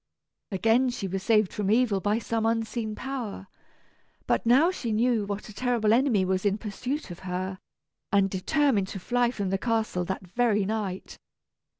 Again was she saved from evil by some unseen power; but now she knew what a terrible enemy was in pursuit of her, and determined to fly from the castle that very night.